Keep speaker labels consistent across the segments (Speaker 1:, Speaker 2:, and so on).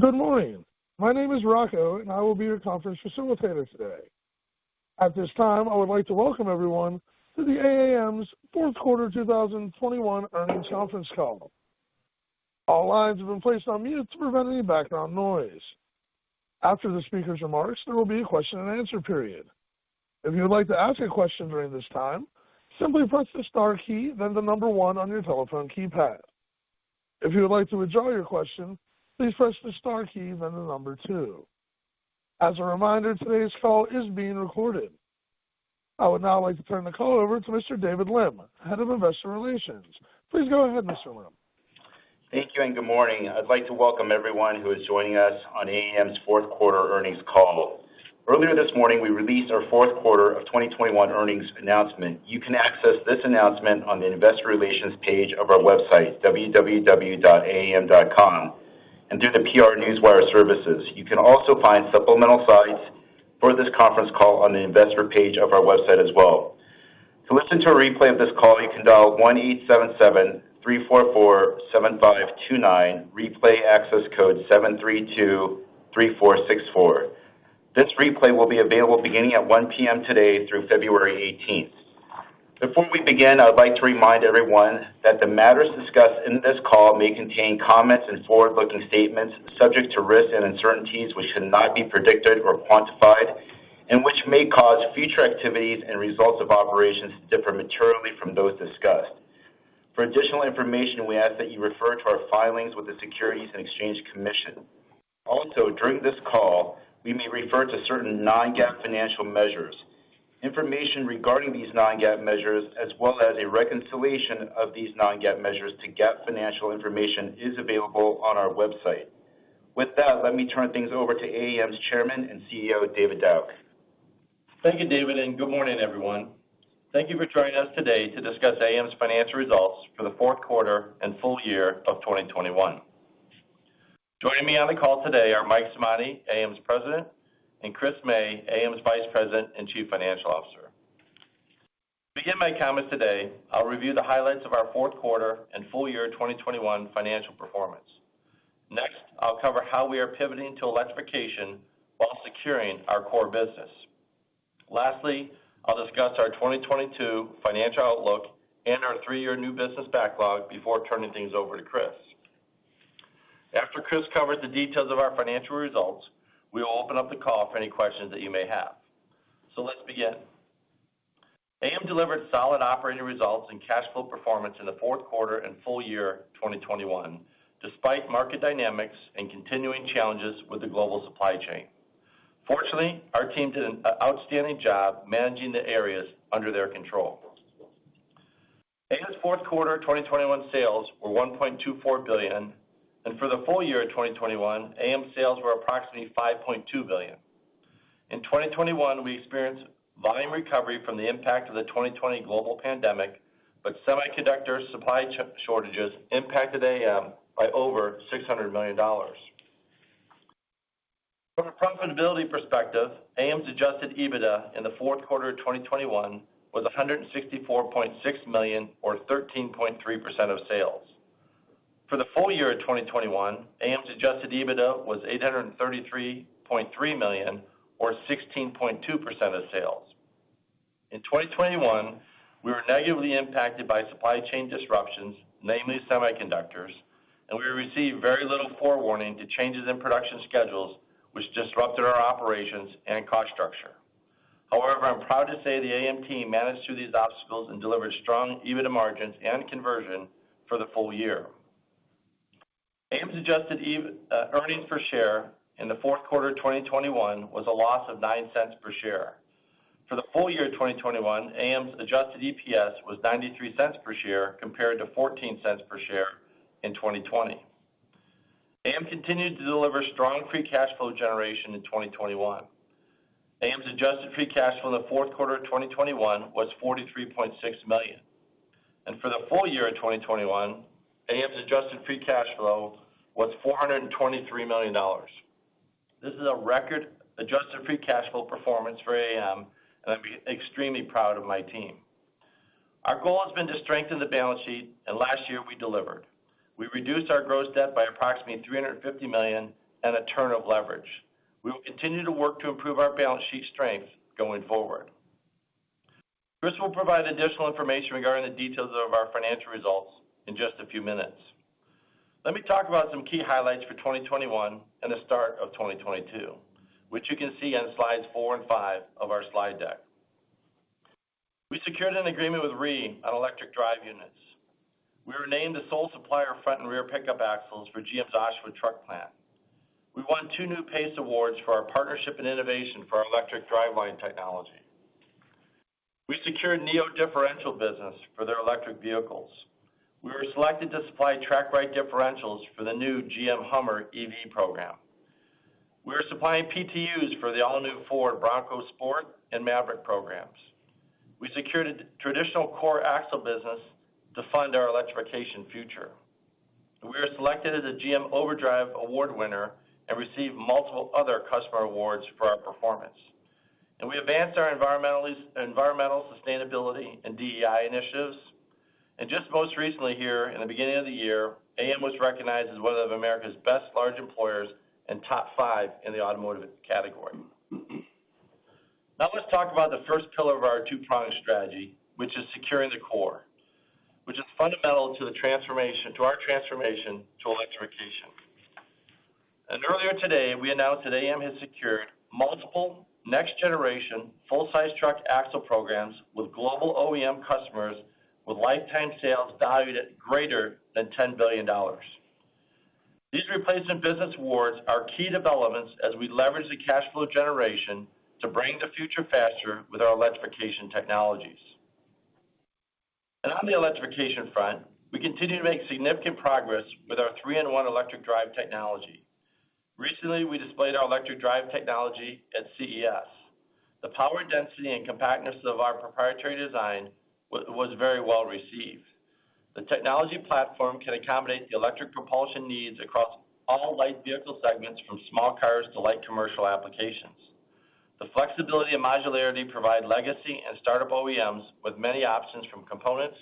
Speaker 1: Good morning. My name is Rocco, and I will be your conference facilitator today. At this time, I would like to welcome everyone to the AAM's fourth quarter 2021 earnings conference call. All lines have been placed on mute to prevent any background noise. After the speaker's remarks, there will be a question and answer period. If you would like to ask a question during this time, simply press the star key, then the number one on your telephone keypad. If you would like to withdraw your question, please press the star key, then the number two. As a reminder, today's call is being recorded. I would now like to turn the call over to Mr. David Lim, Head of Investor Relations. Please go ahead, Mr. Lim.
Speaker 2: Thank you, and good morning. I'd like to welcome everyone who is joining us on AAM's fourth quarter earnings call. Earlier this morning, we released our fourth quarter of 2021 earnings announcement. You can access this announcement on the investor relations page of our website www.aam.com and through the PR Newswire services. You can also find supplemental slides for this conference call on the investor page of our website as well. To listen to a replay of this call, you can dial 1-877-344-7529, replay access code 7323464. This replay will be available beginning at 1 P.M. today through February eighteenth. Before we begin, I would like to remind everyone that the matters discussed in this call may contain comments and forward-looking statements subject to risks and uncertainties which cannot be predicted or quantified and which may cause future activities and results of operations to differ materially from those discussed. For additional information, we ask that you refer to our filings with the Securities and Exchange Commission. Also, during this call, we may refer to certain non-GAAP financial measures. Information regarding these non-GAAP measures as well as a reconciliation of these non-GAAP measures to GAAP financial information is available on our website. With that, let me turn things over to AAM's Chairman and CEO, David Dauch.
Speaker 3: Thank you, David, and good morning, everyone. Thank you for joining us today to discuss AAM's financial results for the fourth quarter and full year of 2021. Joining me on the call today are Mike Simonte, AAM's President, and Chris May, AAM's Vice President and Chief Financial Officer. To begin my comments today, I'll review the highlights of our fourth quarter and full year 2021 financial performance. Next, I'll cover how we are pivoting to electrification while securing our core business. Lastly, I'll discuss our 2022 financial outlook and our 3-year new business backlog before turning things over to Chris. After Chris covers the details of our financial results, we will open up the call for any questions that you may have. Let's begin. AAM delivered solid operating results and cash flow performance in the fourth quarter and full year 2021, despite market dynamics and continuing challenges with the global supply chain. Fortunately, our team did an outstanding job managing the areas under their control. AAM's fourth quarter 2021 sales were $1.24 billion, and for the full year of 2021, AAM sales were approximately $5.2 billion. In 2021, we experienced volume recovery from the impact of the 2020 global pandemic, but semiconductor supply shortages impacted AAM by over $600 million. From a profitability perspective, AAM's adjusted EBITDA in the fourth quarter of 2021 was $164.6 million or 13.3% of sales. For the full year of 2021, AAM's adjusted EBITDA was $833.3 million or 16.2% of sales. In 2021, we were negatively impacted by supply chain disruptions, namely semiconductors, and we received very little forewarning to changes in production schedules which disrupted our operations and cost structure. However, I'm proud to say the AAM team managed through these obstacles and delivered strong EBITDA margins and conversion for the full year. AAM's adjusted earnings per share in the fourth quarter of 2021 was a loss of $0.09 per share. For the full year 2021, AAM's adjusted EPS was $0.93 per share compared to $0.14 per share in 2020. AAM continued to deliver strong free cash flow generation in 2021. AAM's adjusted free cash flow in the fourth quarter of 2021 was $43.6 million. For the full year of 2021, AAM's adjusted free cash flow was $423 million. This is a record adjusted free cash flow performance for AAM, and I'm extremely proud of my team. Our goal has been to strengthen the balance sheet, and last year we delivered. We reduced our gross debt by approximately $350 million and a turn of leverage. We will continue to work to improve our balance sheet strength going forward. Chris will provide additional information regarding the details of our financial results in just a few minutes. Let me talk about some key highlights for 2021 and the start of 2022, which you can see on slides four and five of our slide deck. We secured an agreement with REE on electric drive units. We were named the sole supplier of front and rear pickup axles for GM's Oshawa truck plant. We won two new PACE Awards for our partnership and innovation for our electric driveline technology. We secured NIO differential business for their electric vehicles. We were selected to supply TracRite differentials for the new GM Hummer EV program. We are supplying PTUs for the all-new Ford Bronco Sport and Maverick programs. We secured a traditional core axle business to fund our electrification future. We were selected as a GM Overdrive Award winner and received multiple other customer awards for our performance. We advanced our environmental sustainability and DEI initiatives. Just most recently here, in the beginning of the year, AAM was recognized as one of America's best large employers and top five in the automotive category. Now let's talk about the first pillar of our two-pronged strategy, which is securing the core, which is fundamental to our transformation to electrification. Earlier today, we announced that AAM has secured multiple next-generation full-size truck axle programs with global OEM customers with lifetime sales valued at greater than $10 billion. These replacement business awards are key developments as we leverage the cash flow generation to bring the future faster with our electrification technologies. On the electrification front, we continue to make significant progress with our three-in-one electric drive technology. Recently, we displayed our electric drive technology at CES. The power density and compactness of our proprietary design was very well received. The technology platform can accommodate the electric propulsion needs across all light vehicle segments, from small cars to light commercial applications. The flexibility and modularity provide legacy and startup OEMs with many options from components,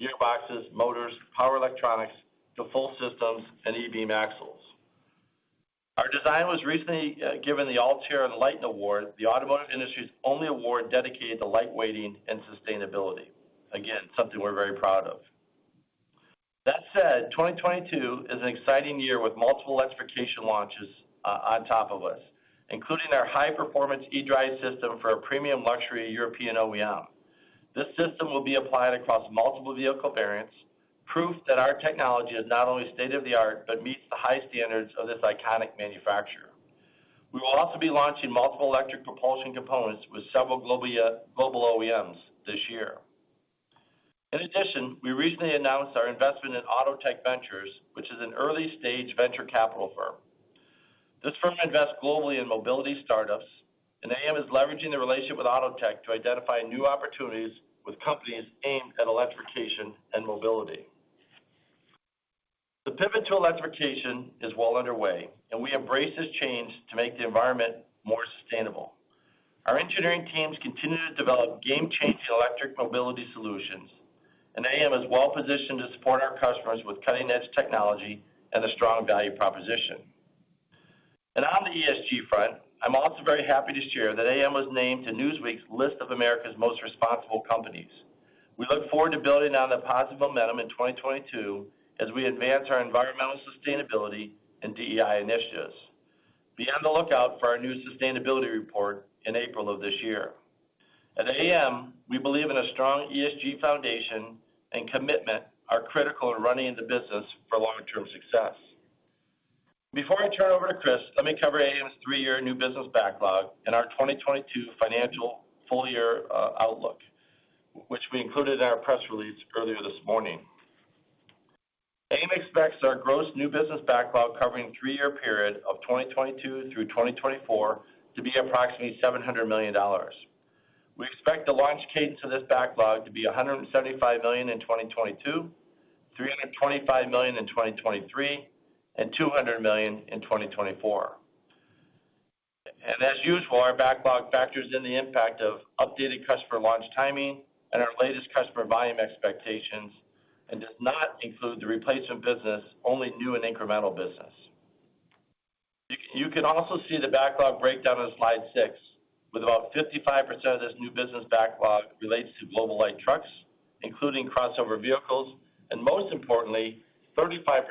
Speaker 3: gearboxes, motors, power electronics to full systems and e-Beam axles. Our design was recently given the Altair Enlighten Award, the automotive industry's only award dedicated to lightweighting and sustainability. Again, something we're very proud of. That said, 2022 is an exciting year with multiple electrification launches on top of us, including our high-performance e-drive system for a premium luxury European OEM. This system will be applied across multiple vehicle variants, proof that our technology is not only state-of-the-art, but meets the high standards of this iconic manufacturer. We will also be launching multiple electric propulsion components with several global OEMs this year. In addition, we recently announced our investment in AutoTech Ventures, which is an early-stage venture capital firm. This firm invests globally in mobility startups, and AAM is leveraging the relationship with AutoTech to identify new opportunities with companies aimed at electrification and mobility. The pivot to electrification is well underway, and we embrace this change to make the environment more sustainable. Our engineering teams continue to develop game-changing electric mobility solutions, and AAM is well-positioned to support our customers with cutting-edge technology and a strong value proposition. On the ESG front, I'm also very happy to share that AAM was named to Newsweek's list of America's most responsible companies. We look forward to building on the positive momentum in 2022 as we advance our environmental sustainability and DEI initiatives. Be on the lookout for our new sustainability report in April of this year. At AAM, we believe in a strong ESG foundation and commitment are critical in running the business for long-term success. Before I turn over to Chris, let me cover AAM's three-year new business backlog and our 2022 financial full-year outlook, which we included in our press release earlier this morning. AAM expects our gross new business backlog covering three-year period of 2022 through 2024 to be approximately $700 million. We expect the launch cadence of this backlog to be $175 million in 2022, $325 million in 2023, and $200 million in 2024. As usual, our backlog factors in the impact of updated customer launch timing and our latest customer volume expectations and does not include the replacement business, only new and incremental business. You can also see the backlog breakdown on slide six, with about 55% of this new business backlog relates to global light trucks, including crossover vehicles, and most importantly, 35%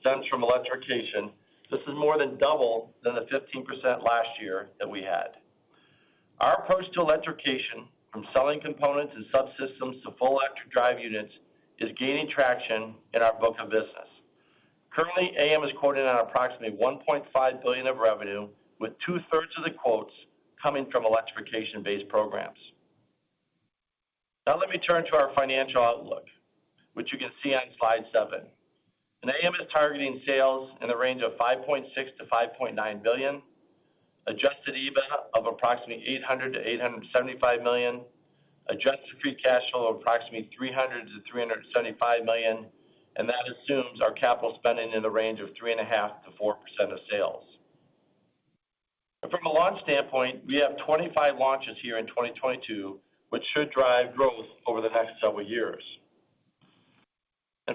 Speaker 3: stems from electrification. This is more than double than the 15% last year that we had. Our approach to electrification from selling components and subsystems to full electric drive units is gaining traction in our book of business. Currently, AAM is quoting on approximately $1.5 billion of revenue, with two-thirds of the quotes coming from electrification-based programs. Now let me turn to our financial outlook, which you can see on slide seven. AAM is targeting sales in the range of $5.6 billion-$5.9 billion, adjusted EBIT of approximately $800 million-$875 million, adjusted free cash flow of approximately $300 million-$375 million, and that assumes our capital spending in the range of 3.5%-4% of sales. From a launch standpoint, we have 25 launches here in 2022, which should drive growth over the next several years.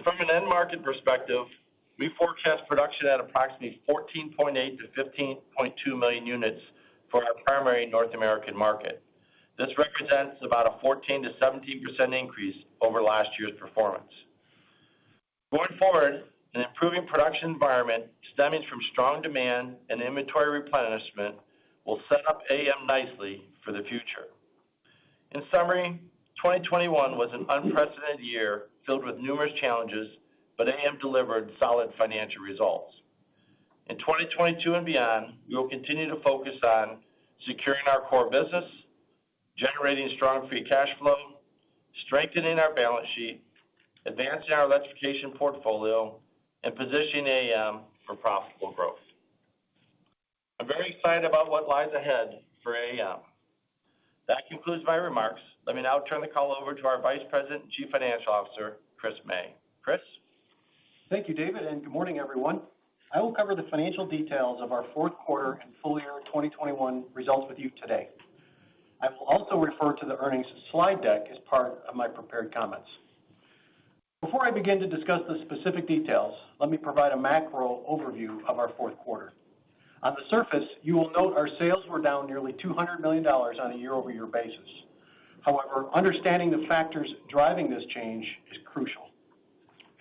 Speaker 3: From an end market perspective, we forecast production at approximately 14.8-15.2 million units for our primary North American market. This represents about a 14%-17% increase over last year's performance. Going forward, an improving production environment stemming from strong demand and inventory replenishment will set up AAM nicely for the future. In summary, 2021 was an unprecedented year filled with numerous challenges, but AAM delivered solid financial results. In 2022 and beyond, we will continue to focus on securing our core business, generating strong free cash flow, strengthening our balance sheet, advancing our electrification portfolio, and positioning AAM for profitable growth. I'm very excited about what lies ahead for AAM. That concludes my remarks. Let me now turn the call over to our Vice President and Chief Financial Officer, Chris May. Chris?
Speaker 4: Thank you, David, and good morning, everyone. I will cover the financial details of our fourth quarter and full year 2021 results with you today. I will also refer to the earnings slide deck as part of my prepared comments. Before I begin to discuss the specific details, let me provide a macro overview of our fourth quarter. On the surface, you will note our sales were down nearly $200 million on a year-over-year basis. However, understanding the factors driving this change is crucial.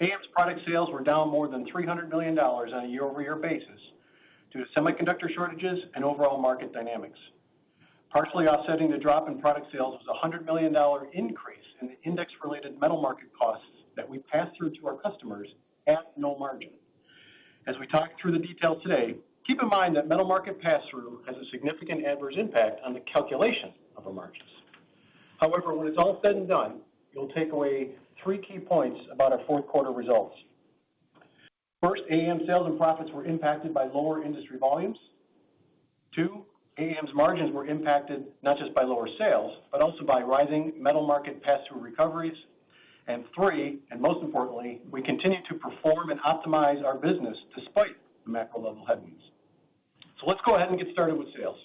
Speaker 4: AAM's product sales were down more than $300 million on a year-over-year basis due to semiconductor shortages and overall market dynamics. Partially offsetting the drop in product sales was a $100 million increase in the index-related metal market costs that we pass through to our customers at no margin. As we talk through the details today, keep in mind that metal market passthrough has a significant adverse impact on the calculation of our margins. However, when it's all said and done, you'll take away three key points about our fourth quarter results. First, AAM sales and profits were impacted by lower industry volumes. Two, AAM's margins were impacted not just by lower sales, but also by rising metal market passthrough recoveries. And three, and most importantly, we continue to perform and optimize our business despite the macro level headwinds. Let's go ahead and get started with sales.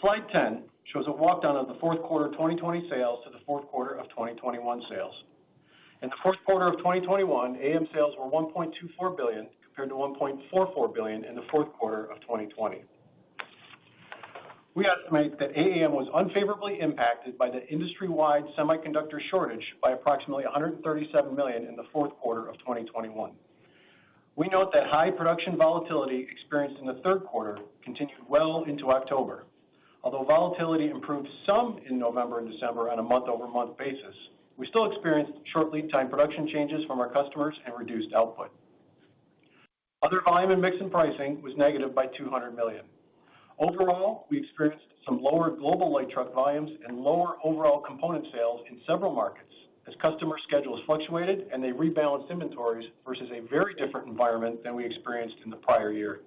Speaker 4: Slide 10 shows a walk down of the fourth quarter 2020 sales to the fourth quarter of 2021 sales. In the fourth quarter of 2021, AAM sales were $1.24 billion compared to $1.44 billion in the fourth quarter of 2020. We estimate that AAM was unfavorably impacted by the industry-wide semiconductor shortage by approximately $137 million in the fourth quarter of 2021. We note that high production volatility experienced in the third quarter continued well into October. Although volatility improved some in November and December on a month-over-month basis, we still experienced short lead time production changes from our customers and reduced output. Other volume and mix in pricing was negative by $200 million. Overall, we experienced some lower global light truck volumes and lower overall component sales in several markets as customer schedules fluctuated and they rebalanced inventories versus a very different environment than we experienced in the prior year.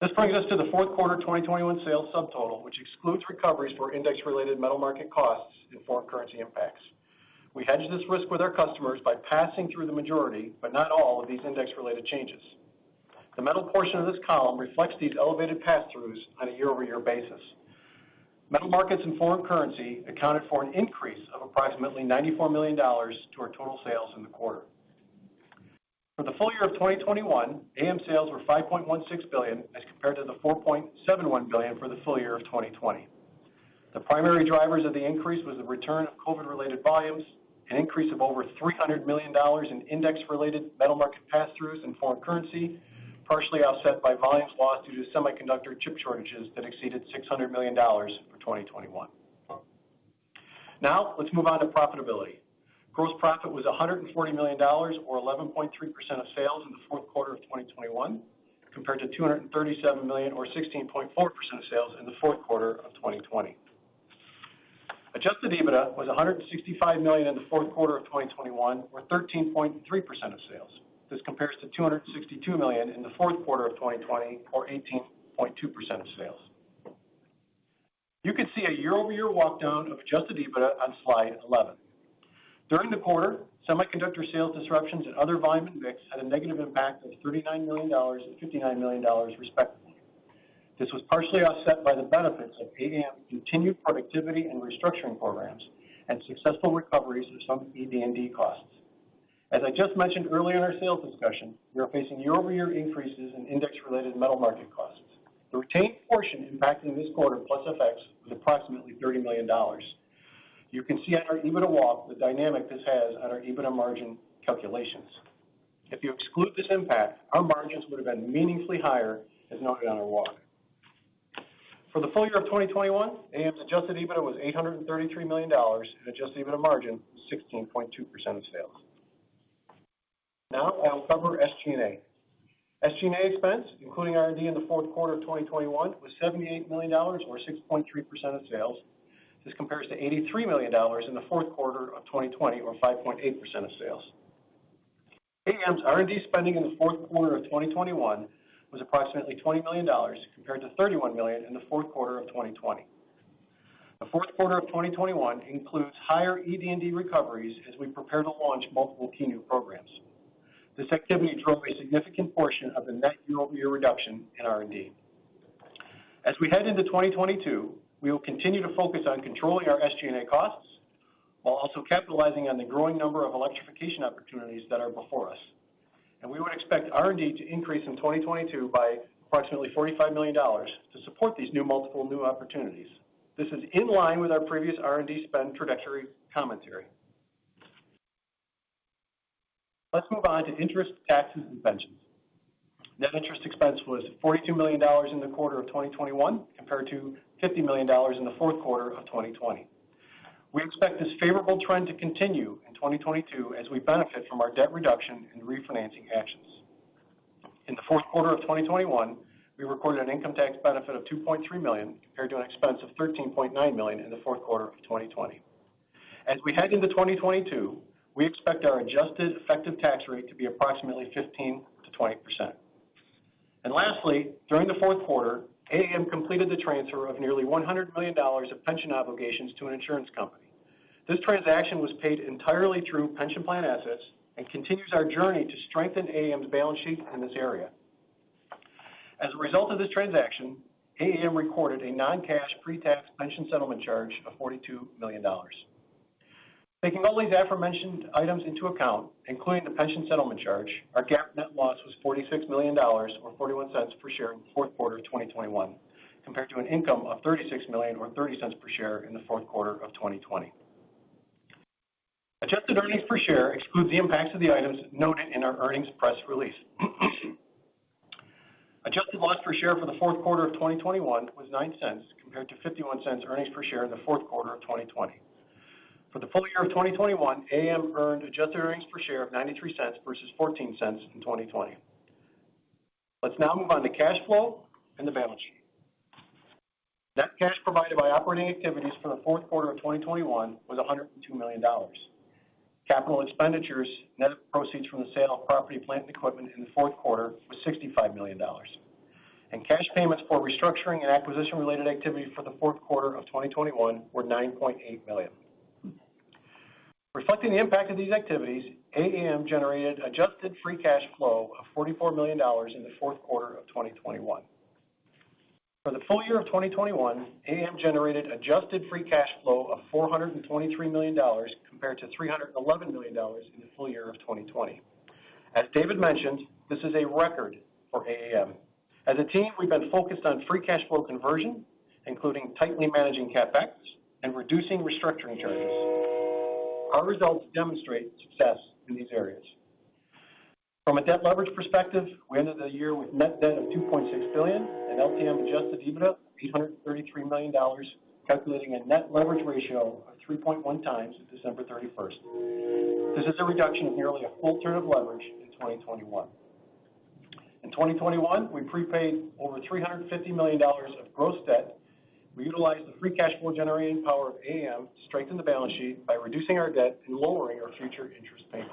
Speaker 4: This brings us to the fourth quarter 2021 sales subtotal, which excludes recoveries for index-related metal market costs in foreign currency impacts. We hedge this risk with our customers by passing through the majority, but not all, of these index-related changes. The metal portion of this column reflects these elevated passthroughs on a year-over-year basis. Metal markets and foreign currency accounted for an increase of approximately $94 million to our total sales in the quarter. For the full year of 2021, AAM sales were $5.16 billion as compared to the $4.71 billion for the full year of 2020. The primary drivers of the increase was the return of COVID-related volumes, an increase of over $300 million in index-related metal market passthroughs in foreign currency, partially offset by volumes lost due to semiconductor chip shortages that exceeded $600 million for 2021. Now, let's move on to profitability. Gross profit was $140 million or 11.3% of sales in the fourth quarter of 2021, compared to $237 million or 16.4% of sales in the fourth quarter of 2020. Adjusted EBITDA was $165 million in the fourth quarter of 2021 or 13.3% of sales. This compares to $262 million in the fourth quarter of 2020 or 18.2% of sales. You can see a year-over-year walk down of adjusted EBITDA on slide 11. During the quarter, semiconductor sales disruptions and other volume and mix had a negative impact of $39 million and $59 million, respectively. This was partially offset by the benefits of AAM's continued productivity and restructuring programs and successful recoveries of some ED&D costs. As I just mentioned earlier in our sales discussion, we are facing year-over-year increases in index-related metal market costs. The retained portion impacting this quarter plus effects was approximately $30 million. You can see on our EBITDA walk the dynamic this has on our EBITDA margin calculations. If you exclude this impact, our margins would have been meaningfully higher, as noted on our walk. For the full year of 2021, AAM's adjusted EBITDA was $833 million and adjusted EBITDA margin, 16.2% of sales. Now I'll cover SG&A. SG&A expense, including R&D in the fourth quarter of 2021, was $78 million or 6.3% of sales. This compares to $83 million in the fourth quarter of 2020 or 5.8% of sales. AAM's R&D spending in the fourth quarter of 2021 was approximately $20 million compared to $31 million in the fourth quarter of 2020. The fourth quarter of 2021 includes higher ED&D recoveries as we prepare to launch multiple key new programs. This activity drove a significant portion of the net year-over-year reduction in R&D. As we head into 2022, we will continue to focus on controlling our SG&A costs while also capitalizing on the growing number of electrification opportunities that are before us. We would expect R&D to increase in 2022 by approximately $45 million to support these new multiple new opportunities. This is in line with our previous R&D spend trajectory commentary. Let's move on to interest, taxes, and pensions. Net interest expense was $42 million in the quarter of 2021 compared to $50 million in the fourth quarter of 2020. We expect this favorable trend to continue in 2022 as we benefit from our debt reduction and refinancing actions. In the fourth quarter of 2021, we recorded an income tax benefit of $2.3 million compared to an expense of $13.9 million in the fourth quarter of 2020. As we head into 2022, we expect our adjusted effective tax rate to be approximately 15%-20%. Lastly, during the fourth quarter, AAM completed the transfer of nearly $100 million of pension obligations to an insurance company. This transaction was paid entirely through pension plan assets and continues our journey to strengthen AAM's balance sheet in this area. As a result of this transaction, AAM recorded a non-cash pre-tax pension settlement charge of $42 million. Taking all these aforementioned items into account, including the pension settlement charge, our GAAP net loss was $46 million, or $0.41 per share in the fourth quarter of 2021, compared to an income of $36 million or $0.30 per share in the fourth quarter of 2020. Adjusted earnings per share excludes the impacts of the items noted in our earnings press release. Adjusted loss per share for the fourth quarter of 2021 was $0.09 compared to $0.51 earnings per share in the fourth quarter of 2020. For the full year of 2021, AAM earned adjusted earnings per share of $0.93 versus $0.14 in 2020. Let's now move on to cash flow and the balance sheet. Net cash provided by operating activities for the fourth quarter of 2021 was $102 million. Capital expenditures, net of proceeds from the sale of property, plant, and equipment in the fourth quarter was $65 million. Cash payments for restructuring and acquisition-related activity for the fourth quarter of 2021 were $9.8 million. Reflecting the impact of these activities, AAM generated adjusted free cash flow of $44 million in the fourth quarter of 2021. For the full year of 2021, AAM generated adjusted free cash flow of $423 million compared to $311 million in the full year of 2020. As David mentioned, this is a record for AAM. As a team, we've been focused on free cash flow conversion, including tightly managing CapEx and reducing restructuring charges. Our results demonstrate success in these areas. From a debt leverage perspective, we ended the year with net debt of $2.6 billion and LTM adjusted EBITDA of $833 million, calculating a net leverage ratio of 3.1x at December 31. This is a reduction of nearly a full turn of leverage in 2021. In 2021, we prepaid over $350 million of gross debt. We utilized the free cash flow generating power of AAM to strengthen the balance sheet by reducing our debt and lowering our future interest payments.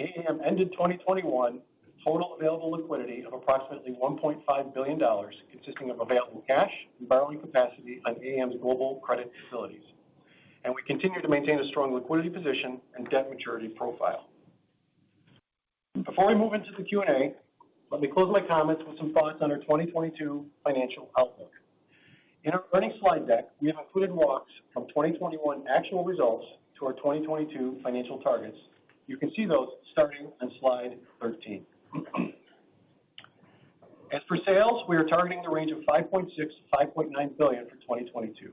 Speaker 4: AAM ended 2021 with total available liquidity of approximately $1.5 billion, consisting of available cash and borrowing capacity on AAM's global credit facilities. We continue to maintain a strong liquidity position and debt maturity profile. Before I move into the Q&A, let me close my comments with some thoughts on our 2022 financial outlook. In our earnings slide deck, we have included walks from 2021 actual results to our 2022 financial targets. You can see those starting on slide 13. As for sales, we are targeting the range of $5.6 billion-$5.9 billion for 2022.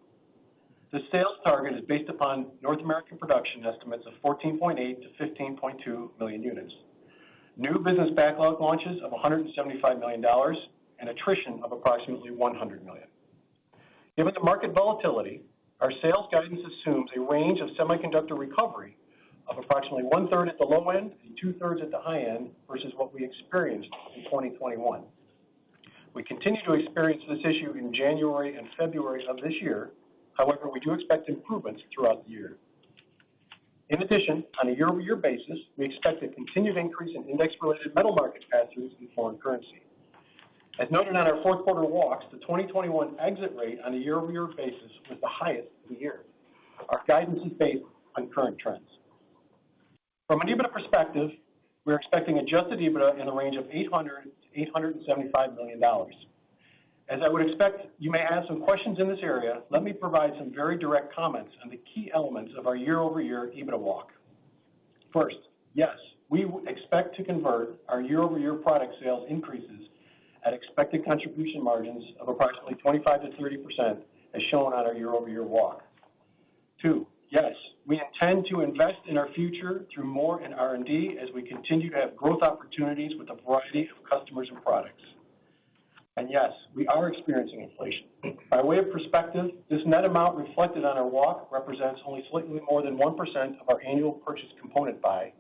Speaker 4: The sales target is based upon North American production estimates of 14.8 million-15.2 million units, new business backlog launches of $175 million and attrition of approximately $100 million. Given the market volatility, our sales guidance assumes a range of semiconductor recovery of approximately one-third at the low end and two-thirds at the high end versus what we experienced in 2021. We continue to experience this issue in January and February of this year. However, we do expect improvements throughout the year. In addition, on a year-over-year basis, we expect a continued increase in index-related metal market pass-throughs in foreign currency. As noted on our fourth quarter walks, the 2021 exit rate on a year-over-year basis was the highest of the year. Our guidance is based on current trends. From an EBITDA perspective, we're expecting adjusted EBITDA in the range of $800 million-$875 million. As I would expect, you may have some questions in this area. Let me provide some very direct comments on the key elements of our year-over-year EBITDA walk. First, yes, we expect to convert our year-over-year product sales increases at expected contribution margins of approximately 25%-30% as shown on our year-over-year walk. Two, yes, we intend to invest in our future through more in R&D as we continue to have growth opportunities with a variety of customers and products. Yes, we are experiencing inflation. By way of perspective, this net amount reflected on our walk represents only slightly more than 1% of our annual purchase component buy.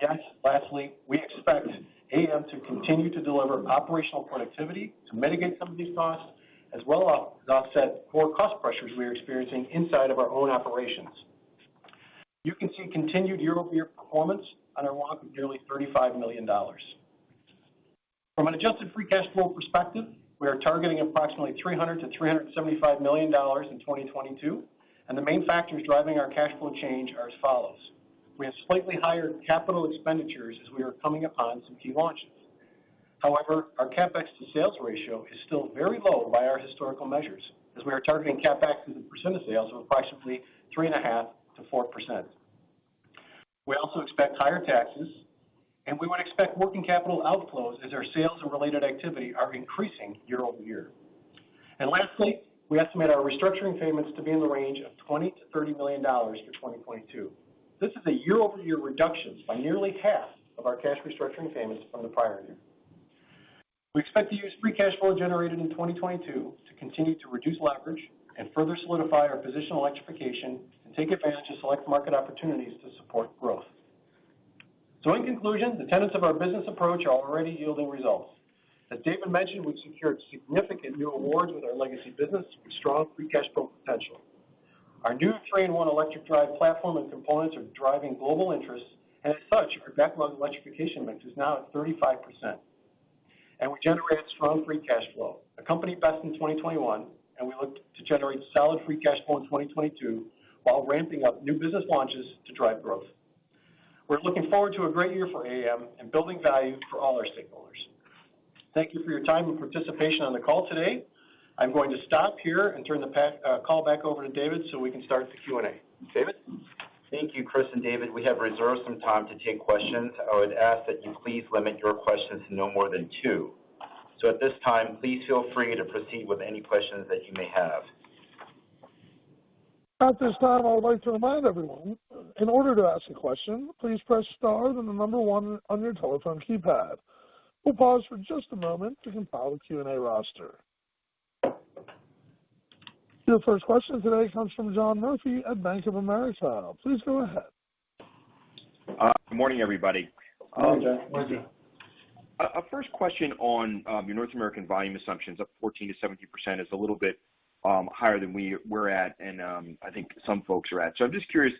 Speaker 4: Yes, lastly, we expect AAM to continue to deliver operational productivity to mitigate some of these costs, as well as offset core cost pressures we are experiencing inside of our own operations. You can see continued year-over-year performance on our walk of nearly $35 million. From an adjusted free cash flow perspective, we are targeting approximately $300 million-$375 million in 2022, and the main factors driving our cash flow change are as follows. We have slightly higher capital expenditures as we are coming upon some key launches. However, our CapEx to sales ratio is still very low by our historical measures, as we are targeting CapEx as a percent of sales of approximately 3.5%-4%. We also expect higher taxes, and we would expect working capital outflows as our sales and related activity are increasing year-over-year. Lastly, we estimate our restructuring payments to be in the range of $20 million-$30 million for 2022. This is a year-over-year reduction by nearly half of our cash restructuring payments from the prior year. We expect to use free cash flow generated in 2022 to continue to reduce leverage and further solidify our position on electrification and take advantage of select market opportunities to support growth. In conclusion, the tenets of our business approach are already yielding results. As David mentioned, we've secured significant new awards with our legacy business with strong free cash flow potential. Our new three-in-one electric drive platform and components are driving global interest, and as such, our backlog electrification mix is now at 35%. We generated strong free cash flow, a company best in 2021, and we look to generate solid free cash flow in 2022 while ramping up new business launches to drive growth. We're looking forward to a great year for AAM and building value for all our stakeholders. Thank you for your time and participation on the call today. I'm going to stop here and turn the call back over to David so we can start the Q&A. David?
Speaker 2: Thank you, Chris and David. We have reserved some time to take questions. I would ask that you please limit your questions to no more than two. At this time, please feel free to proceed with any questions that you may have.
Speaker 1: Your first question today comes from John Murphy at Bank of America. Please go ahead.
Speaker 5: Good morning, everybody.
Speaker 4: Good morning, John.
Speaker 2: Morning, John.
Speaker 5: First question on your North American volume assumptions up 14%-17% is a little bit higher than we're at and I think some folks are at. I'm just curious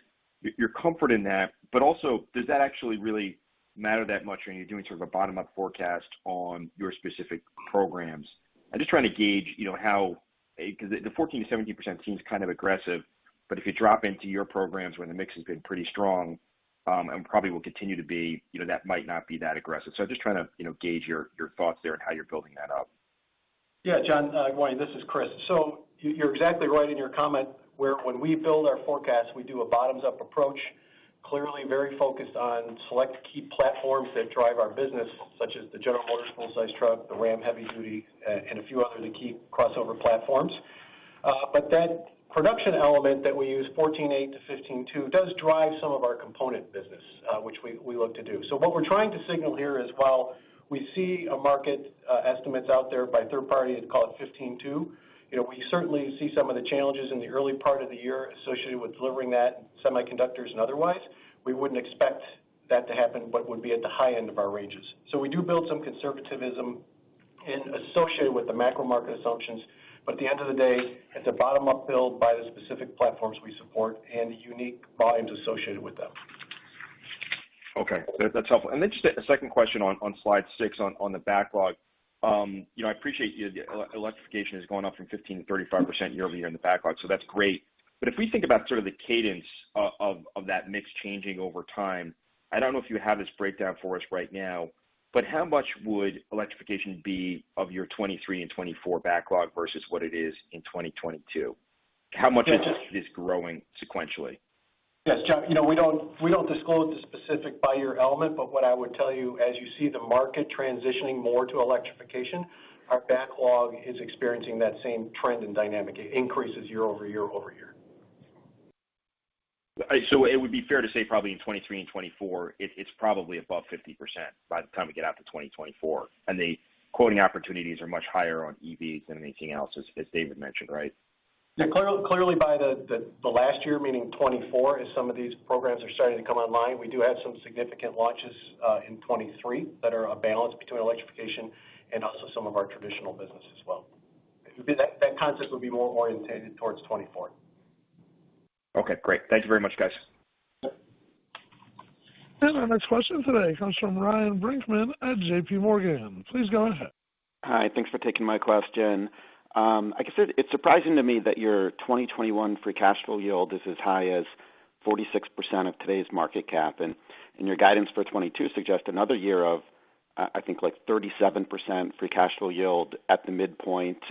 Speaker 5: your comfort in that, but also does that actually really matter that much when you're doing sort of a bottom-up forecast on your specific programs? I'm just trying to gauge, you know, how, 'cause the 14%-17% seems kind of aggressive, but if you drop into your programs where the mix has been pretty strong and probably will continue to be, you know, that might not be that aggressive. I'm just trying to, you know, gauge your thoughts there on how you're building that up.
Speaker 4: Yeah, John, good morning. This is Chris. You're exactly right in your comment where when we build our forecast, we do a bottoms-up approach, clearly very focused on select key platforms that drive our business, such as the General Motors full-size truck, the Ram Heavy Duty, and a few other of the key crossover platforms. That production element that we use, 14.8-15.2, does drive some of our component business, which we look to do. What we're trying to signal here is while we see a market estimates out there by third party call it 15.2, you know, we certainly see some of the challenges in the early part of the year associated with delivering that, semiconductors and otherwise. We wouldn't expect that to happen, but would be at the high end of our ranges. We do build some conservatism in association with the macro market assumptions. At the end of the day, it's a bottom-up build by the specific platforms we support and the unique volumes associated with them.
Speaker 5: Okay. That's helpful. Just a second question on slide 6 on the backlog. You know, I appreciate electrification is going up from 15% to 35% year-over-year in the backlog, so that's great. If we think about sort of the cadence of that mix changing over time, I don't know if you have this breakdown for us right now, but how much would electrification be of your 2023 and 2024 backlog versus what it is in 2022? How much of it is growing sequentially?
Speaker 4: Yes, John. You know, we don't disclose the specific by year element, but what I would tell you as you see the market transitioning more to electrification, our backlog is experiencing that same trend and dynamic. It increases year-over-year.
Speaker 5: It would be fair to say probably in 2023 and 2024 it's probably above 50% by the time we get out to 2024. The quoting opportunities are much higher on EVs than anything else, as David mentioned, right?
Speaker 4: Yeah. Clearly by the last year, meaning 2024, as some of these programs are starting to come online, we do have some significant launches in 2023 that are a balance between electrification and also some of our traditional business as well. That concept would be more oriented towards 2024.
Speaker 5: Okay, great. Thank you very much, guys.
Speaker 1: Our next question today comes from Ryan Brinkman at JPMorgan. Please go ahead.
Speaker 6: Hi. Thanks for taking my question. Like I said, it's surprising to me that your 2021 free cash flow yield is as high as 46% of today's market cap. Your guidance for 2022 suggests another year of, I think like 37% free cash flow yield at the midpoint.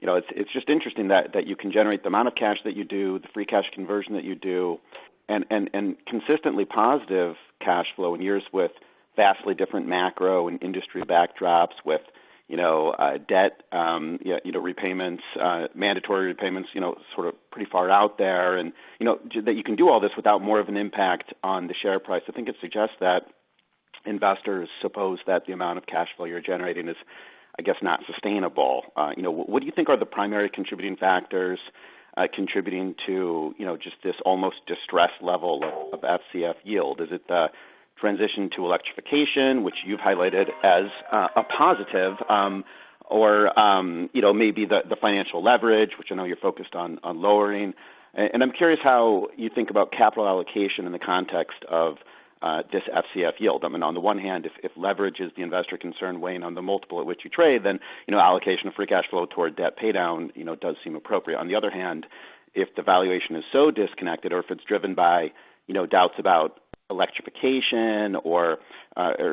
Speaker 6: You know, it's just interesting that you can generate the amount of cash that you do, the free cash conversion that you do, and consistently positive cash flow in years with vastly different macro and industry backdrops with, you know, debt repayments, mandatory repayments, you know, sort of pretty far out there. You know, that you can do all this without more of an impact on the share price. I think it suggests that investors suppose that the amount of cash flow you're generating is, I guess, not sustainable. You know, what do you think are the primary contributing factors, contributing to, you know, just this almost distressed level of FCF yield? Is it the transition to electrification, which you've highlighted as, a positive, or, you know, maybe the financial leverage, which I know you're focused on lowering. And I'm curious how you think about capital allocation in the context of, this FCF yield. I mean, on the one hand, if leverage is the investor concern weighing on the multiple at which you trade, then, you know, allocation of free cash flow toward debt paydown, you know, does seem appropriate. On the other hand, if the valuation is so disconnected or if it's driven by, you know, doubts about electrification or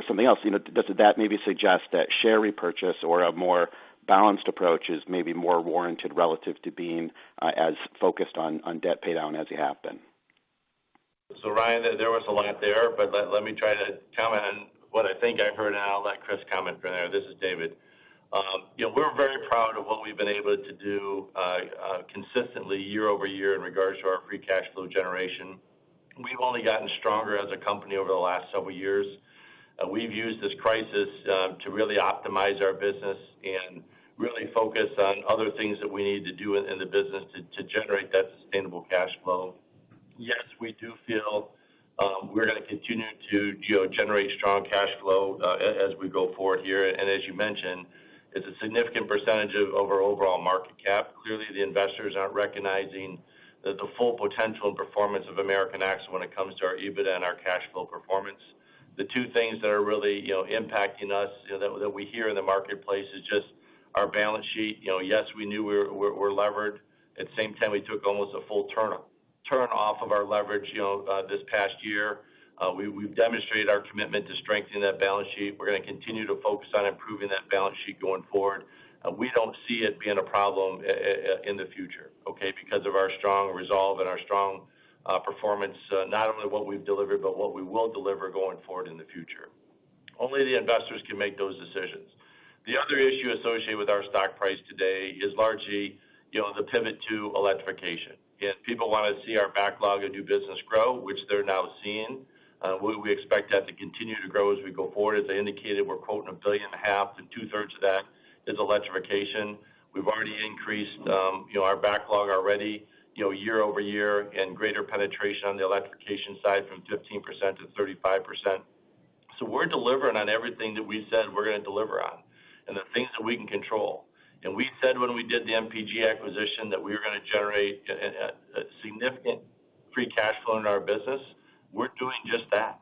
Speaker 6: something else, you know, does that maybe suggest that share repurchase or a more balanced approach is maybe more warranted relative to being as focused on debt paydown as you have been?
Speaker 3: Ryan, there was a lot there, but let me try to comment on what I think I heard, and I'll let Chris comment from there. This is David. You know, we're very proud of what we've been able to do, consistently year-over-year in regards to our free cash flow generation. We've only gotten stronger as a company over the last several years. We've used this crisis to really optimize our business and really focus on other things that we need to do in the business to generate that sustainable cash flow. Yes, we do feel we're gonna continue to generate strong cash flow as we go forward here. As you mentioned, it's a significant percentage of our overall market cap. Clearly, the investors aren't recognizing the full potential and performance of American Axle when it comes to our EBIT and our cash flow performance. The two things that are really you know impacting us you know that we hear in the marketplace is just our balance sheet. You know, yes, we know we're levered. At the same time, we took almost a full turn off of our leverage you know this past year. We've demonstrated our commitment to strengthening that balance sheet. We're gonna continue to focus on improving that balance sheet going forward. We don't see it being a problem in the future, okay? Because of our strong resolve and our strong performance, not only what we've delivered but what we will deliver going forward in the future. Only the investors can make those decisions. The other issue associated with our stock price today is largely, you know, the pivot to electrification. People wanna see our backlog of new business grow, which they're now seeing. We expect that to continue to grow as we go forward. As I indicated, we're quoting $1.5 billion to two-thirds of that is electrification. We've already increased our backlog already, you know, year-over-year and greater penetration on the electrification side from 15% to 35%. We're delivering on everything that we said we're gonna deliver on, and the things that we can control. We said when we did the MPG acquisition that we were gonna generate a significant free cash flow in our business. We're doing just that.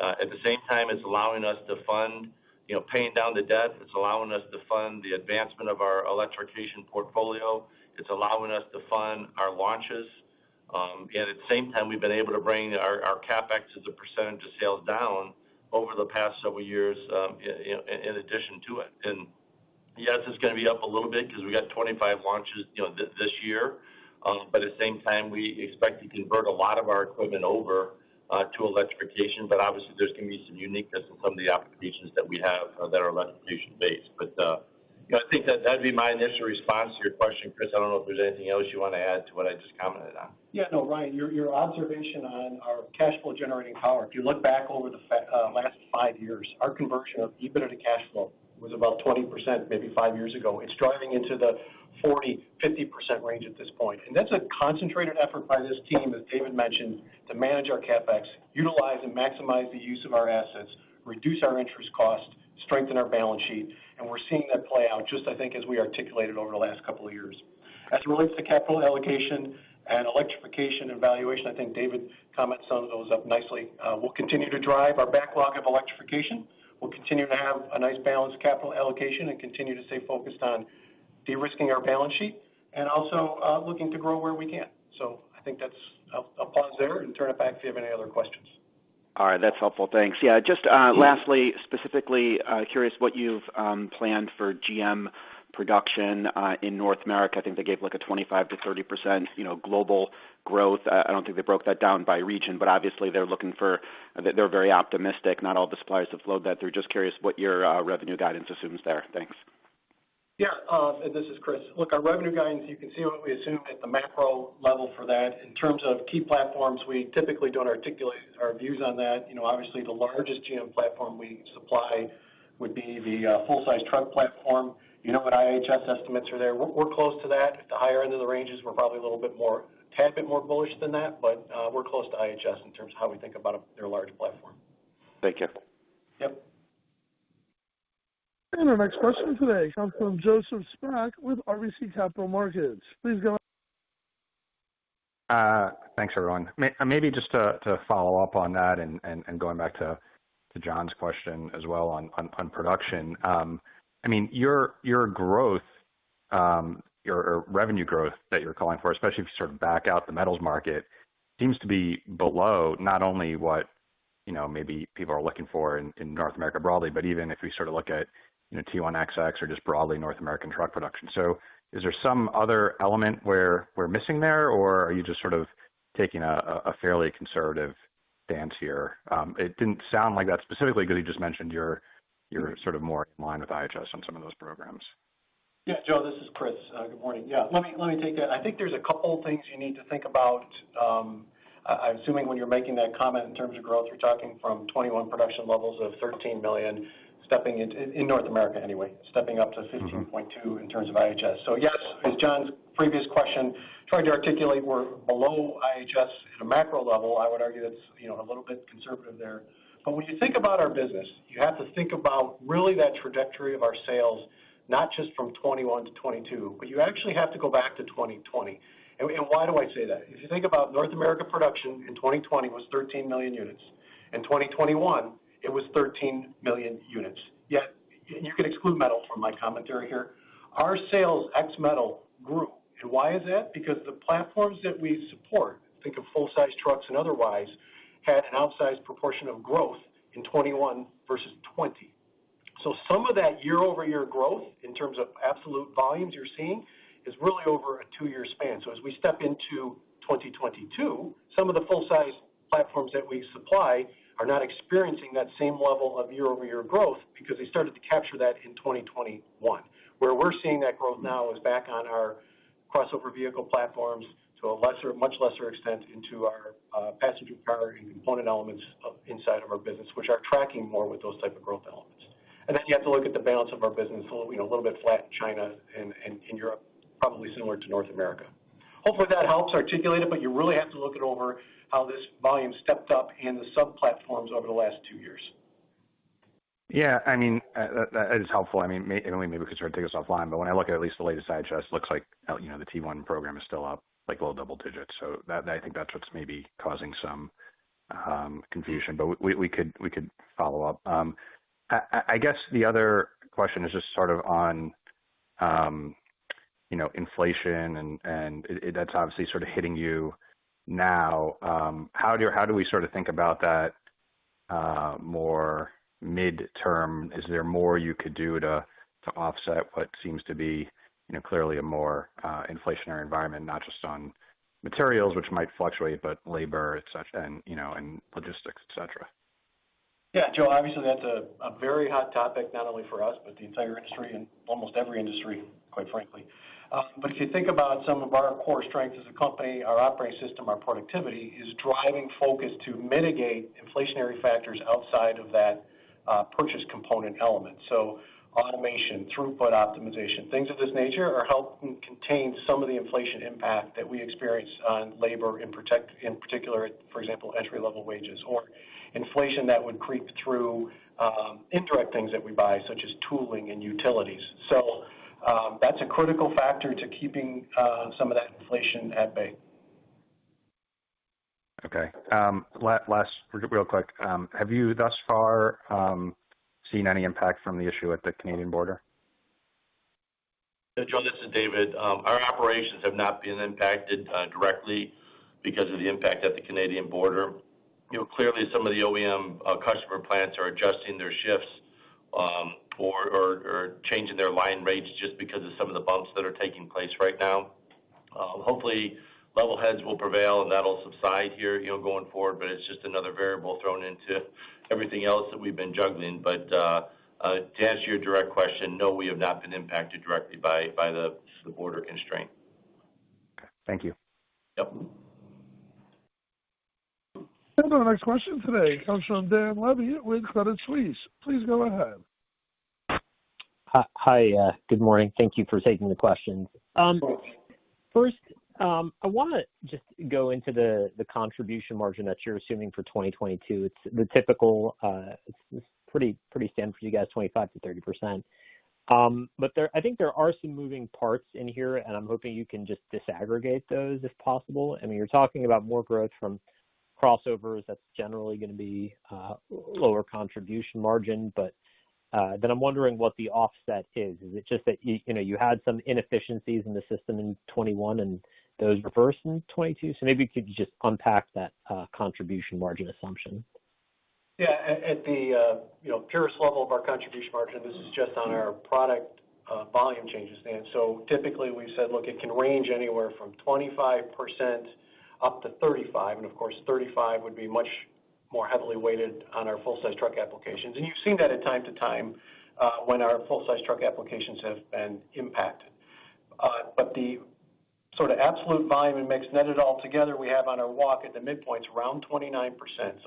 Speaker 3: At the same time, it's allowing us to fund, you know, paying down the debt. It's allowing us to fund the advancement of our electrification portfolio. It's allowing us to fund our launches. At the same time, we've been able to bring our CapEx as a percentage of sales down over the past several years, in addition to it. Yes, it's gonna be up a little bit because we got 25 launches, you know, this year. But at the same time, we expect to convert a lot of our equipment over to electrification. But obviously, there's gonna be some uniqueness in some of the applications that we have that are electrification-based. You know, I think that'd be my initial response to your question, Chris. I don't know if there's anything else you wanna add to what I just commented on.
Speaker 4: Yeah. No, Ryan, your observation on our cash flow generating power. If you look back over the last five years, our conversion of EBITDA to cash flow was about 20% maybe five years ago. It's driving into the 40%-50% range at this point. That's a concentrated effort by this team, as David mentioned, to manage our CapEx, utilize and maximize the use of our assets, reduce our interest cost, strengthen our balance sheet, and we're seeing that play out just I think as we articulated over the last couple of years. As it relates to capital allocation and electrification evaluation, I think David summed some of those up nicely. We'll continue to drive our backlog of electrification. We'll continue to have a nice balanced capital allocation and continue to stay focused on de-risking our balance sheet and also, looking to grow where we can. I think that's, I'll pause there and turn it back if you have any other questions.
Speaker 6: All right. That's helpful. Thanks. Yeah, just lastly, specifically curious what you've planned for GM production in North America. I think they gave, like, a 25%-30%, you know, global growth. I don't think they broke that down by region, but obviously they're very optimistic. Not all the suppliers have flowed that through. Just curious what your revenue guidance assumes there. Thanks.
Speaker 4: Yeah. This is Chris. Look, our revenue guidance, you can see what we assume at the macro level for that. In terms of key platforms, we typically don't articulate our views on that. You know, obviously the largest GM platform we supply would be the full size truck platform. You know what IHS estimates are there. We're close to that. At the higher end of the ranges, we're probably a little bit more, a tad bit more bullish than that, but we're close to IHS in terms of how we think about their large platform.
Speaker 3: Thank you.
Speaker 4: Yep.
Speaker 1: Our next question today comes from Joseph Spak with RBC Capital Markets. Please go ahead.
Speaker 7: Thanks, everyone. Maybe just to follow up on that and going back to John's question as well on production. I mean, your growth, your revenue growth that you're calling for, especially if you sort of back out the metals market, seems to be below not only what, you know, maybe people are looking for in North America broadly, but even if we sort of look at, you know, T1XX or just broadly North American truck production. Is there some other element where we're missing there, or are you just sort of taking a fairly conservative stance here? It didn't sound like that specifically because you just mentioned you're sort of more in line with IHS on some of those programs.
Speaker 4: Yeah, Joe, this is Chris. Good morning. Yeah, let me take that. I think there's a couple things you need to think about. I'm assuming when you're making that comment in terms of growth, you're talking from 2021 production levels of 13 million, stepping up to 15.2 in North America anyway, in terms of IHS. Yes, as John's previous question tried to articulate, we're below IHS at a macro level. I would argue that's, you know, a little bit conservative there. When you think about our business, you have to think about really that trajectory of our sales, not just from 2021 to 2022, but you actually have to go back to 2020. Why do I say that? If you think about North America production in 2020 was 13 million units. In 2021, it was 13 million units. You can exclude metal from my commentary here. Our sales ex metal grew. Why is that? Because the platforms that we support, think of full-size trucks and otherwise, had an outsized proportion of growth in 2021 versus 2020. Some of that year-over-year growth in terms of absolute volumes you're seeing is really over a two-year span. As we step into 2022, some of the full-size platforms that we supply are not experiencing that same level of year-over-year growth because they started to capture that in 2021. Where we're seeing that growth now is back on our crossover vehicle platforms to a lesser, much lesser extent into our passenger car and component elements of inside of our business, which are tracking more with those type of growth elements. You have to look at the balance of our business a little, you know, a little bit flat in China and in Europe, probably similar to North America. Hopefully, that helps articulate it, but you really have to look at over how this volume stepped up in the sub-platforms over the last two years.
Speaker 7: Yeah, I mean, that is helpful. I mean, and maybe we can sort of take this offline, but when I look at least the latest IJS looks like, you know, the T1 program is still up, like, low double digits. That I think that's what's maybe causing some confusion. We could follow up. I guess the other question is just sort of on, you know, inflation and that's obviously sort of hitting you now. How do we sort of think about that more midterm? Is there more you could do to offset what seems to be, you know, clearly a more inflationary environment, not just on materials which might fluctuate, but labor, et cetera, and, you know, and logistics, et cetera?
Speaker 4: Yeah, Joe, obviously that's a very hot topic, not only for us, but the entire industry and almost every industry, quite frankly. If you think about some of our core strengths as a company, our operating system, our productivity is driving focus to mitigate inflationary factors outside of that purchased component element. Automation, throughput optimization, things of this nature are helping contain some of the inflation impact that we experience on labor, in particular, for example, entry-level wages or inflation that would creep through indirect things that we buy, such as tooling and utilities. That's a critical factor to keeping some of that inflation at bay.
Speaker 7: Okay. Last, real quick, have you thus far seen any impact from the issue at the Canadian border?
Speaker 3: Joe, this is David. Our operations have not been impacted directly because of the impact at the Canadian border. You know, clearly some of the OEM customer plants are adjusting their shifts, or changing their line rates just because of some of the bumps that are taking place right now. Hopefully level heads will prevail and that'll subside here, you know, going forward. It's just another variable thrown into everything else that we've been juggling. To answer your direct question, no, we have not been impacted directly by the border constraint.
Speaker 7: Okay. Thank you.
Speaker 3: Yep.
Speaker 1: Our next question today comes from Dan Levy with Credit Suisse. Please go ahead.
Speaker 8: Hi. Good morning. Thank you for taking the questions. First, I want to just go into the contribution margin that you're assuming for 2022. It's the typical, it's pretty standard for you guys, 25%-30%. But I think there are some moving parts in here, and I'm hoping you can just disaggregate those if possible. I mean, you're talking about more growth from crossovers. That's generally going to be lower contribution margin. But then I'm wondering what the offset is. Is it just that, you know, you had some inefficiencies in the system in 2021 and those reverse in 2022? Maybe you could just unpack that contribution margin assumption.
Speaker 4: Yeah. At the purest level of our contribution margin, this is just on our product volume changes, Dan. Typically we've said, look, it can range anywhere from 25%-35%, and of course, 35% would be much more heavily weighted on our full size truck applications. You've seen that in time to time when our full-size truck applications have been impacted. But the sort of absolute volume and mix netted all together we have on our walk at the midpoint is around 29%.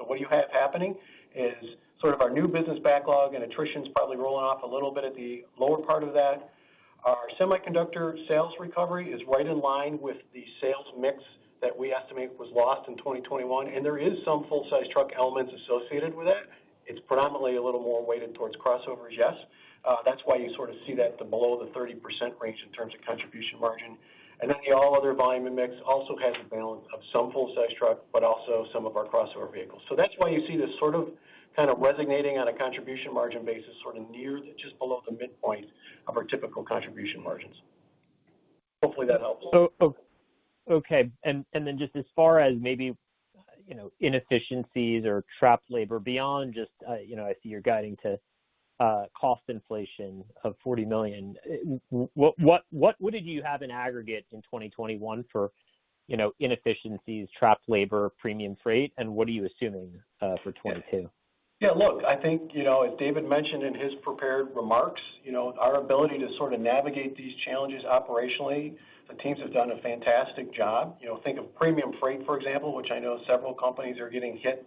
Speaker 4: What you have happening is sort of our new business backlog and attrition is probably rolling off a little bit at the lower part of that. Our semiconductor sales recovery is right in line with the sales mix that we estimate was lost in 2021, and there is some full size truck elements associated with that. It's predominantly a little more weighted towards crossovers, yes. That's why you sort of see that it's below the 30% range in terms of contribution margin. Then the all other volume and mix also has a balance of some full size truck, but also some of our crossover vehicles. That's why you see this sort of, kind of resonating on a contribution margin basis, sort of near the just below the midpoint of our typical contribution margins. Hopefully that helps a little.
Speaker 8: Okay. Then just as far as maybe, you know, inefficiencies or trapped labor beyond just, you know, I see you're guiding to cost inflation of $40 million. What did you have in aggregate in 2021 for, you know, inefficiencies, trapped labor, premium freight, and what are you assuming for 2022?
Speaker 4: Yeah, look, I think, you know, as David mentioned in his prepared remarks, you know, our ability to sort of navigate these challenges operationally, the teams have done a fantastic job. You know, think of premium freight, for example, which I know several companies are getting hit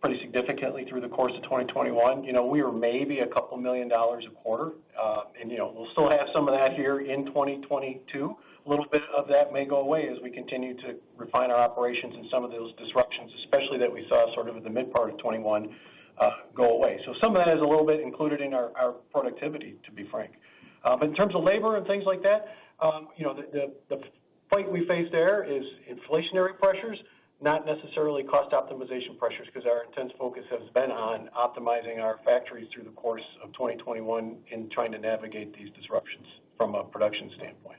Speaker 4: pretty significantly through the course of 2021. You know, we were maybe a couple million dollars a quarter. You know, we'll still have some of that here in 2022. A little bit of that may go away as we continue to refine our operations and some of those disruptions, especially that we saw sort of at the mid part of 2021, go away. Some of that is a little bit included in our productivity, to be frank. In terms of labor and things like that, you know, the fight we face there is inflationary pressures, not necessarily cost optimization pressures, because our intense focus has been on optimizing our factories through the course of 2021 and trying to navigate these disruptions from a production standpoint.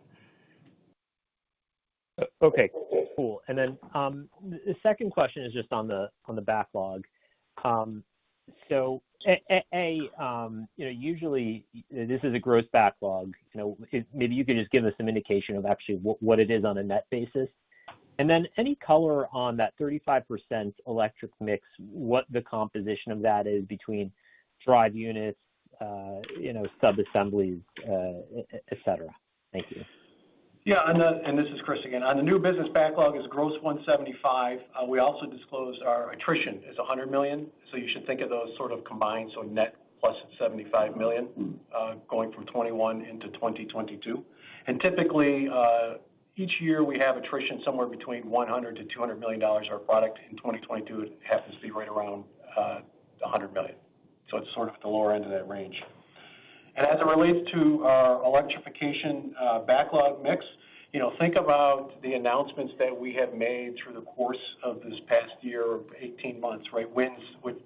Speaker 8: Okay, cool. The second question is just on the backlog. You know, usually this is a gross backlog. You know, if maybe you can just give us some indication of actually what it is on a net basis. Any color on that 35% electric mix, what the composition of that is between drive units, you know, sub-assemblies, et cetera. Thank you.
Speaker 4: This is Chris again. The new business backlog is gross $175 million. We also disclosed our attrition is $100 million. You should think of those sort of combined, so net +$75 million, going from 2021 into 2022. Typically, each year we have attrition somewhere between $100 million-$200 million dollars our product. In 2022, it happens to be right around a $100 million. It's sort of the lower end of that range. As it relates to our electrification backlog mix, you know, think about the announcements that we have made through the course of this past year or 18 months, right? Wins with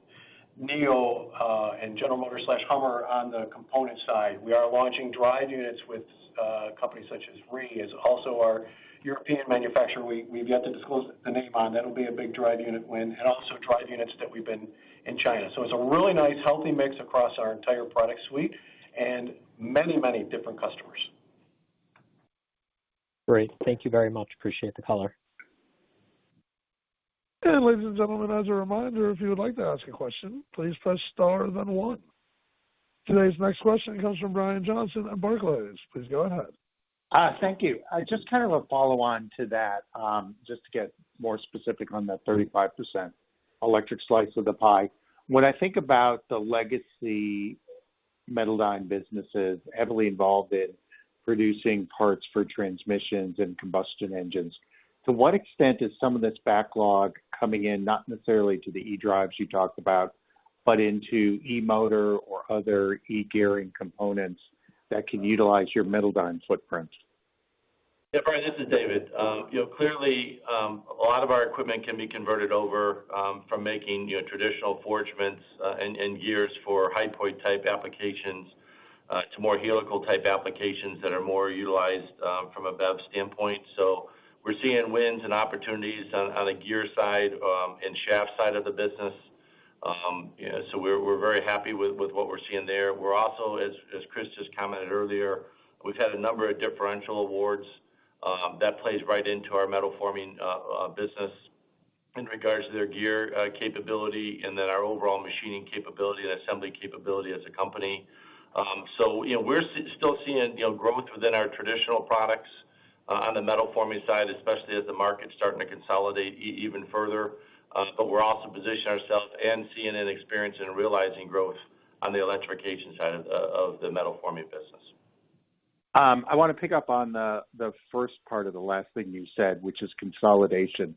Speaker 4: NIO and General Motors Hummer on the component side. We are launching drive units with companies such as REE is also our European manufacturer. We've yet to disclose the name on. That'll be a big drive unit win and also drive units that we've won in China. It's a really nice, healthy mix across our entire product suite and many, many different customers.
Speaker 8: Great. Thank you very much. Appreciate the color.
Speaker 1: Today's next question comes from Brian Johnson at Barclays. Please go ahead.
Speaker 9: Thank you. Just kind of a follow on to that, just to get more specific on that 35% electric slice of the pie. When I think about the legacy Metaldyne businesses heavily involved in producing parts for transmissions and combustion engines, to what extent is some of this backlog coming in, not necessarily to the e-drives you talked about, but into e-motor or other e-gearing components that can utilize your Metaldyne footprints?
Speaker 3: Yeah, Brian, this is David. You know, clearly, a lot of our equipment can be converted over from making, you know, traditional forgings and gears for hypoid type applications to more helical type applications that are more utilized from a BEV standpoint. We're seeing wins and opportunities on the gear side and shaft side of the business. We're very happy with what we're seeing there. We're also, as Chris just commented earlier, we've had a number of differential awards that plays right into our metal forming business in regards to their gear capability and then our overall machining capability and assembly capability as a company. You know, we're still seeing, you know, growth within our traditional products on the metal forming side, especially as the market's starting to consolidate even further. We're also positioning ourselves and seeing it, experiencing and realizing growth on the electrification side of the metal forming business.
Speaker 9: I wanna pick up on the first part of the last thing you said, which is consolidation.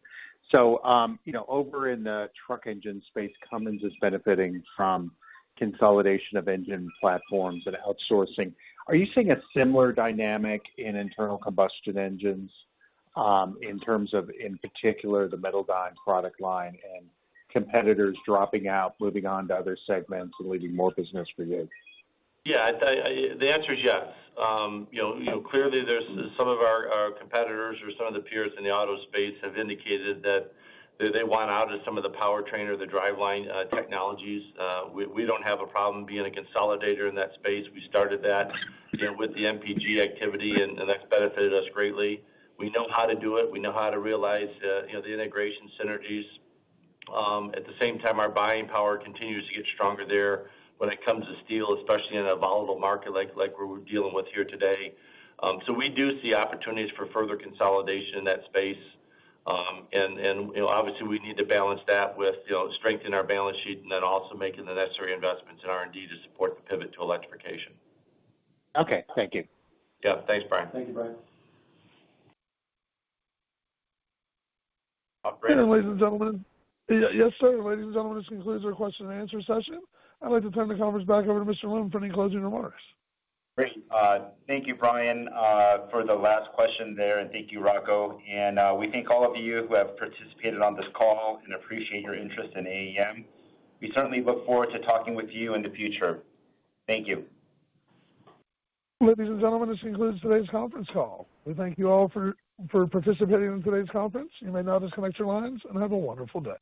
Speaker 9: You know, over in the truck engine space, Cummins is benefiting from consolidation of engine platforms and outsourcing. Are you seeing a similar dynamic in internal combustion engines, in terms of, in particular, the Metaldyne product line and competitors dropping out, moving on to other segments and leaving more business for you?
Speaker 3: Yeah, the answer is yes. You know, clearly there's some of our competitors or some of the peers in the auto space have indicated that they want out of some of the powertrain or the driveline technologies. We don't have a problem being a consolidator in that space. We started that, you know, with the MPG activity, and that's benefited us greatly. We know how to do it. We know how to realize, you know, the integration synergies. At the same time, our buying power continues to get stronger there when it comes to steel, especially in a volatile market like we're dealing with here today. So we do see opportunities for further consolidation in that space. You know, obviously we need to balance that with, you know, strengthening our balance sheet and then also making the necessary investments in R&D to support the pivot to electrification.
Speaker 9: Okay. Thank you.
Speaker 3: Yeah. Thanks, Brian.
Speaker 4: Thank you, Brian.
Speaker 1: Ladies and gentlemen. Yes, sir. Ladies and gentlemen, this concludes our question and answer session. I'd like to turn the conference back over to David Lim for any closing remarks.
Speaker 2: Great. Thank you, Brian, for the last question there, and thank you, Rocco. We thank all of you who have participated on this call and appreciate your interest in AAM. We certainly look forward to talking with you in the future. Thank you.
Speaker 1: Ladies and gentlemen, this concludes today's conference call. We thank you all for participating in today's conference. You may now disconnect your lines and have a wonderful day.